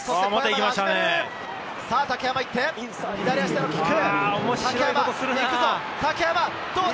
竹山が行く、左足でのキック。